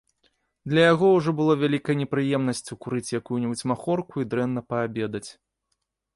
Для яго ўжо было вялікай непрыемнасцю курыць якую-небудзь махорку і дрэнна паабедаць.